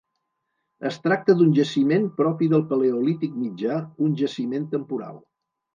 Es tracta d'un jaciment propi del Paleolític mitjà, un jaciment temporal.